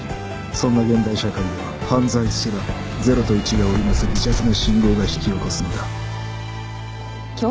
そんな現代社会では犯罪すら０と１が織りなす微弱な信号が引き起こすのだ